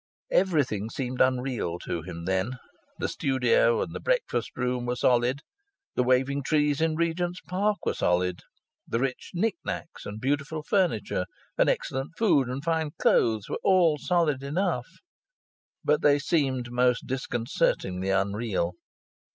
Everything seemed unreal to him then. The studio and the breakfast room were solid; the waving trees in Regent's Park were solid; the rich knick knacks and beautiful furniture and excellent food and fine clothes were all solid enough; but they seemed most disconcertingly unreal.